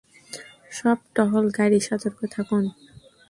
সব টহল গাড়ি সতর্ক থাকুন!